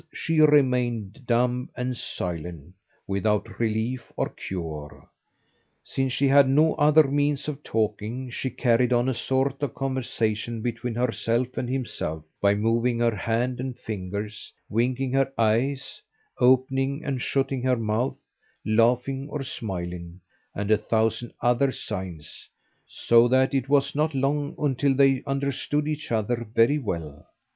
she remained dumb and silent, without relief or cure. Since she had no other means of talking, she carried on a sort of conversation between herself and himself, by moving her hand and fingers, winking her eyes, opening and shutting her mouth, laughing or smiling, and a thousand other signs, so that it was not long until they understood each other very well.